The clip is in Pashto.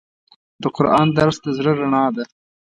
د قرآن درس د زړه رڼا ده.